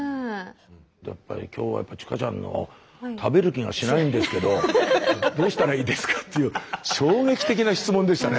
やっぱり今日は千佳ちゃんの「食べる気がしないんですけどどうしたらいいですか？」っていう衝撃的な質問でしたね。